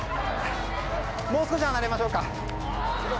もう少し離れましょうか。